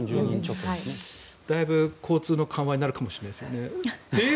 だいぶ交通の緩和になるかもしれないですね。